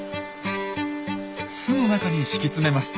巣の中に敷き詰めます。